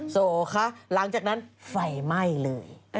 โสคะหลังจากนั้นไฟไหม้เลย